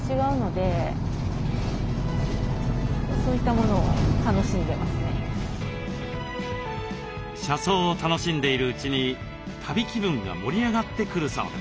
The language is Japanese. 車窓を楽しんでいるうちに旅気分が盛り上がってくるそうです。